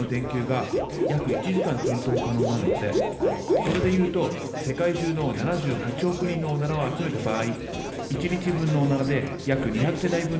それで言うと世界中の７８億人のオナラを集めた場合１日分のオナラで約２００世帯分の発電が可能。